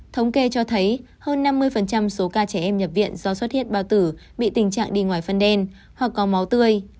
thống kê cho thấy hơn năm mươi số ca trẻ em nhập viện do xuất hiện bao tử bị tình trạng đi ngoài phân đen hoặc có máu tươi